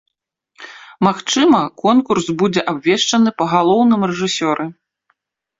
Магчыма, конкурс будзе абвешчаны па галоўным рэжысёры.